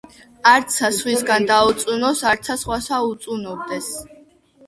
არცა ვისგან დაიწუნოს, არცა სხვასა უწუნობდეს.